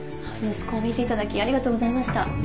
息子を見ていただきありがとうございました。